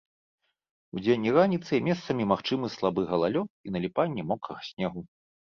Удзень і раніцай месцамі магчымы слабы галалёд і наліпанне мокрага снегу.